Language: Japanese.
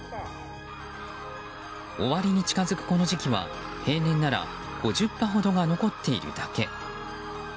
終わりに近づくこの時期は平年なら５０羽ほどが残っているだけ。